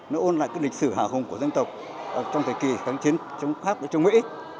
nó ôn lại cái lịch sử hạ hùng của dân tộc trong thời kỳ kháng chiến trong khắp với trung mỹ